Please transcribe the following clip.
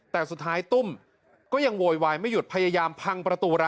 แต่สุดท้ายตุ้มก็ยังโวยวายไม่หยุดพยายามพังประตูร้าน